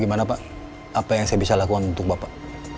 gimana pak apa yang saya bisa lakukan untuk bapak